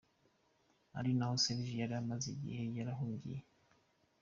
Ari naho Serge yari amaze igihe yarahungiye.